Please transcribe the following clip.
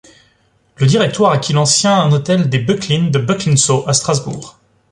Le directoire acquit l'ancien hôtel des Boecklin de Boecklinsau, à Strasbourg.